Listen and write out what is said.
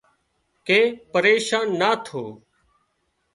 ڪي پريشان نا ٿو